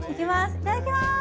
いただきます！